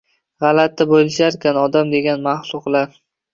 G‘alati bo‘lisharkan odam degan maxluqlar